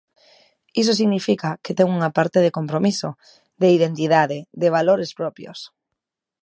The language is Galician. Iso significa que ten unha parte de compromiso, de identidade, de valores propios.